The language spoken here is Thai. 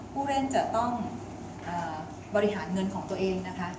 ผู้เล่นจะต้องบริหารเงินของตัวเองนะคะ